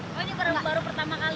oh ini baru pertama kali